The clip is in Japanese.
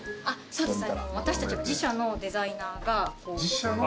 そうです。